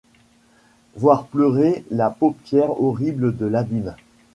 Voir pleurer la paupière horrible de l’abîme.